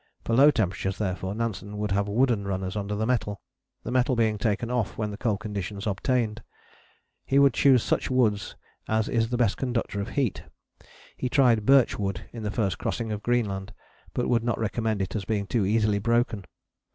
For low temperatures, therefore, Nansen would have wooden runners under the metal, the metal being taken off when cold conditions obtained. He would choose such wood as is the best conductor of heat. He tried birch wood in the first crossing of Greenland, but would not recommend it as being too easily broken.